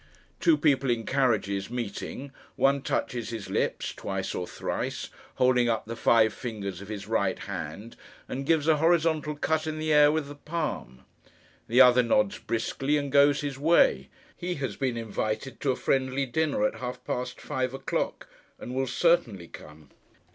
Two people in carriages, meeting, one touches his lips, twice or thrice, holding up the five fingers of his right hand, and gives a horizontal cut in the air with the palm. The other nods briskly, and goes his way. He has been invited to a friendly dinner at half past five o'clock, and will certainly come.